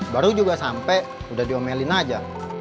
baru juga sampai udah diomelin aja